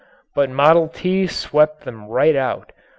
But "Model T" swept them right out.